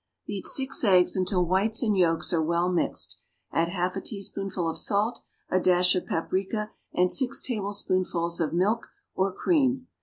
= Beat six eggs until whites and yolks are well mixed; add half a teaspoonful of salt, a dash of paprica and six tablespoonfuls of milk or cream.